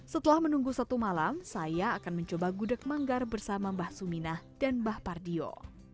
setelah menunggu satu malam saya akan mencoba gudeg manggar bersama mbah suminah dan mbah pardio